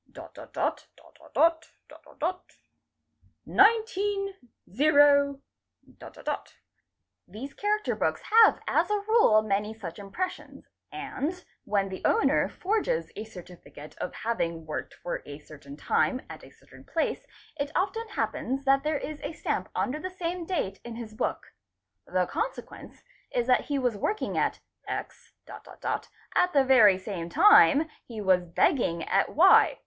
190..."' These character books have as a rule many such impressions and when the owner forges a certificate of having worked for a certain time at a certain place it often happens that there is a stamp under the same date in his book. The consequence is that he was working at X.... at the very same time he was begging at Y....